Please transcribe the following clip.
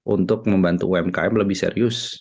untuk membantu umkm lebih serius